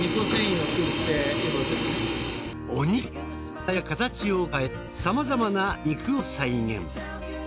大きさや形を変えさまざまな肉を再現。